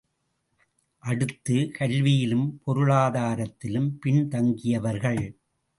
அடுத்து, கல்வியிலும் பொருளாதாரத்திலும் பின்தங்கியவர்கள்.